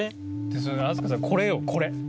で飛鳥さんこれよこれ。